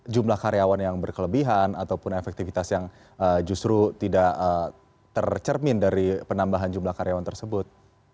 jumlah karyawan yang berkelebihan ataupun efektivitas yang justru tidak tercermin dari penambahan jumlah karyawan tersebut